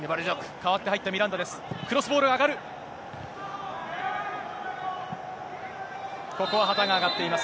代わって入ったミランダです。